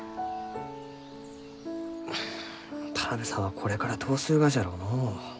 田邊さんはこれからどうするがじゃろうのう？